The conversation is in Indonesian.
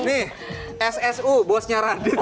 ini ssu bosnya radit